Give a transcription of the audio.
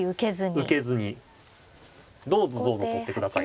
あっ受けずにどうぞどうぞ取ってくださいと。